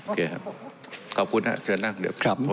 โอเคครับขอบคุณครับเฉียนนั่งเดี๋ยว